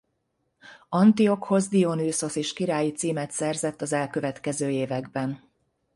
Antiokhosz Dionüszosz is királyi címet szerzett az elkövetkező években.